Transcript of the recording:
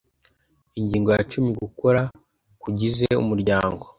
ingingo ya cumi gukora k ugize umuryango